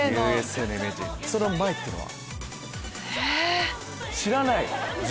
その前っていうのは？